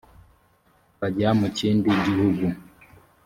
bajya mu kindi gihugu